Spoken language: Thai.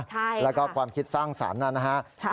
ใช่ค่ะแล้วก็ความคิดสร้างสรรค์นั้นนะคะ